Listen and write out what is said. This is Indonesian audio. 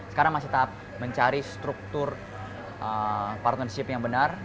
sekarang masih tahap mencari struktur partnership yang benar